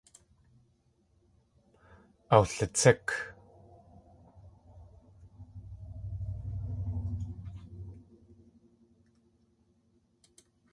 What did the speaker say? Awlitsík.